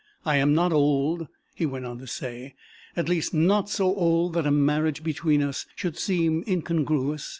I am not old," he went on to say, "at least not so old that a marriage between us should seem incongruous.